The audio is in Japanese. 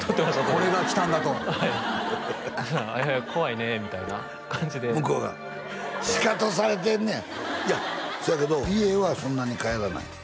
これが来たんだとはい「怖いね」みたいな感じで向こうがシカトされてんねんいやせやけど家へはそんなに帰らない？